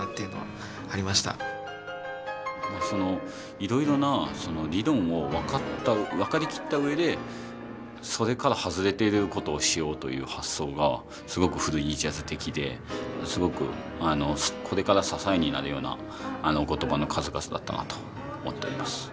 いろいろなその理論を分かりきったうえでそれから外れてることをしようという発想がすごくフリージャズ的ですごくこれから支えになるようなお言葉の数々だったなと思っています。